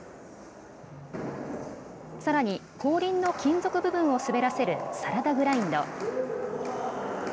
さらに後輪の金属部分を滑らせるサラダグラインド。